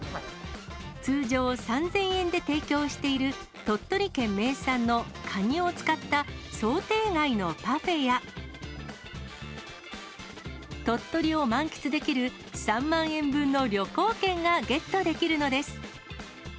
通常、３０００円で提供している、鳥取県名産のカニを使った想定外のパフェや、鳥取を満喫できる３万円分の旅行券がゲットできるのです。